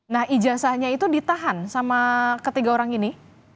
nah ijazahnya itu ditahan sama ketiga orang ini